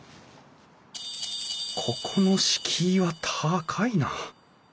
ここの敷居は高いな！